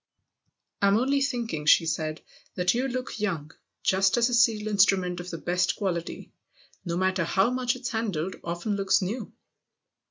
" I'm only thinking," she said, " that you look young just as a steel instrument of the best quality, no matter how much it's handled, often looks new."